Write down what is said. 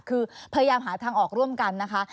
คือพยายามหาทางออกร่วมกันนะคะ